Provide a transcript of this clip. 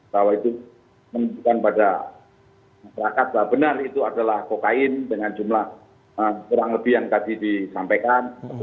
bahwa itu menunjukkan pada masyarakat bahwa benar itu adalah kokain dengan jumlah kurang lebih yang tadi disampaikan